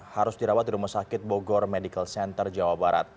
harus dirawat di rumah sakit bogor medical center jawa barat